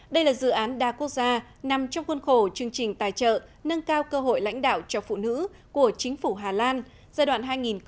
đây là dự án đa quốc gia nằm trong khuôn khổ chương trình tài trợ nâng cao cơ hội lãnh đạo cho phụ nữ của chính phủ hà lan giai đoạn hai nghìn một mươi sáu hai nghìn hai mươi